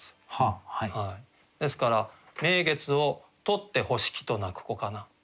ですから「名月をとつて欲しきと泣く子かな」